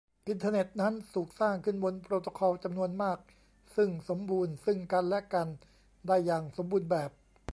อินเทอร์เน็ตนั้นถูกสร้างขึ้นบนโปรโตคอลจำนวนมากซึ่งสมบูรณ์ซึ่งกันและกันได้อย่างสมบูรณ์แบบ